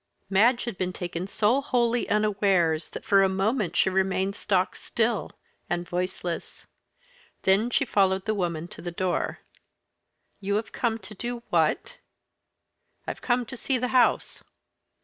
Madge had been taken so wholly unawares that for a moment she remained stock still and voiceless. Then she followed the woman to the door. "You have come to do what?" "I've come to see the house."